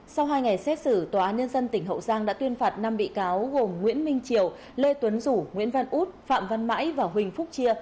sau hai ngày xét xử tòa án nhân dân tỉnh hậu giang đã tuyên phạt năm bị cáo gồm nguyễn minh triều lê tuấn rủ nguyễn văn út phạm văn mãi và huỳnh phúc chia